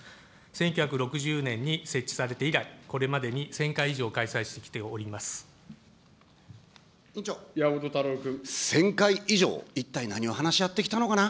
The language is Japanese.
１９６０年に設置されて以来、これまでに１０００回以上開催して山本太郎君。１０００回以上、一体何を話し合ってきたのかな。